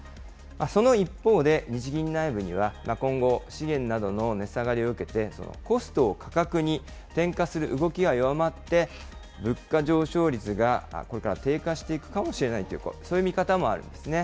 その一方で、日銀内部には、今後、資源などの値下がりを受けて、コストを価格に転嫁する動きが弱まって、物価上昇率がこれから低下していくかもしれないという、そういう見方もあるんですね。